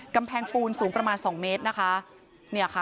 กำแพงปูนสูงประมาณ๒เมตรนะคะ